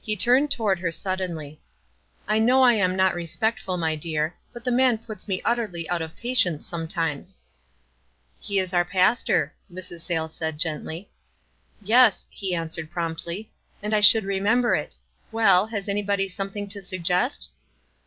He turned toward her suddenly. "I know I am not respectful, my dear; but the man puts me utterly out of patience some times." "He is our pastor," Mrs. Sayles said, gently. "Yes," he answered, promptly, "and I should remember it. Well, has anybody something to suggest